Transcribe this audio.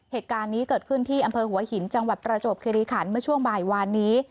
เหตุการณ์นี้เกิดขึ้นที่อำเภอหัวหินจังหวัดประจวบคิริขันเมื่อช่วงบ่ายวานนี้